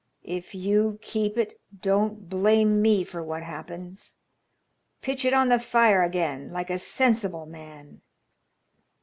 If you keep it, don't blame me for what happens. Pitch it on the fire again like a sensible man."